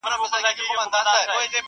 په کټ کټ به په خندا سي!